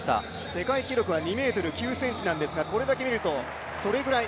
世界記録は２ｍ９ｃｍなんですがこれだけ見るとそれぐらい